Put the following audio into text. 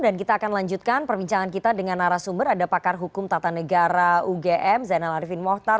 dan kita akan lanjutkan perbincangan kita dengan arah sumber ada pakar hukum tata negara ugm zainal arifin mohtar